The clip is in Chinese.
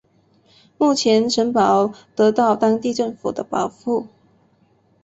目前城堡得到当地政府的保护。